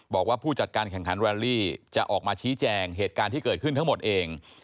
บอกว่าผู้จัดการแข่งขันแวลลี่จะออกมาชี้แจงเหตุการณ์ที่เกิดขึ้นทั้งหมดเอง